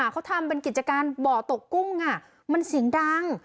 เขาทำเป็นกิจการบ่อตกกุ้งมันเสียงดัง